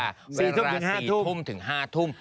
เวลา๔ทุ่มถึง๕ทุ่ม